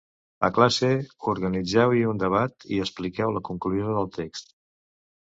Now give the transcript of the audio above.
A classe, organitzeu-hi un debat i expliqueu la conclusió del text.